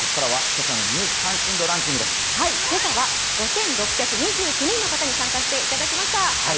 今朝は５６２９人の方に参加していただきました。